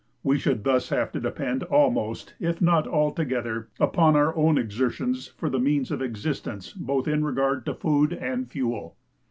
We should thus have to depend almost, if not altogether, upon our own exertions for the means of existence both in regard to food and fuel.